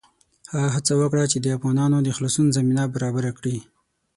هغه هڅه وکړه چې د افغانانو د خلاصون زمینه برابره کړي.